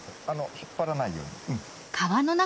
引っ張らないように。